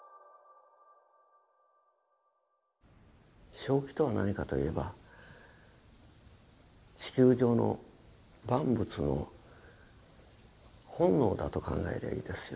正気とは何かと言えば地球上の万物の本能だと考えりゃいいですよ。